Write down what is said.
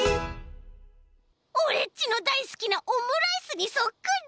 オレっちのだいすきなオムライスにそっくり！